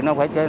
nó phải trở lại